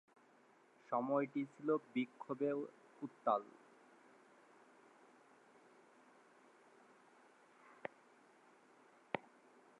সময়টি ছিল বিক্ষোভে উত্তাল।